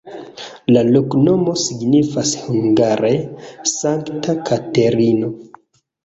La loknomo signifas hungare: Sankta Katerino.